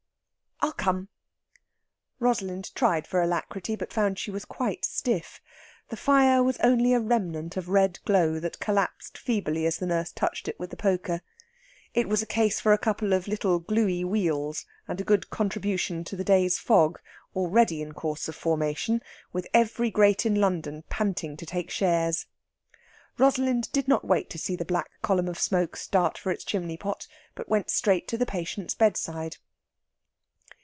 "I'll come." Rosalind tried for alacrity, but found she was quite stiff. The fire was only a remnant of red glow that collapsed feebly as the nurse touched it with the poker. It was a case for a couple of little gluey wheels, and a good contribution to the day's fog, already in course of formation, with every grate in London panting to take shares. Rosalind did not wait to see the black column of smoke start for its chimney pot, but went straight to the patient's bedside.